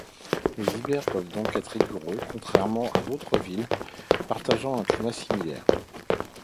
Les hivers peuvent donc être rigoureux, contrairement à d'autres villes partageant un climat similaire.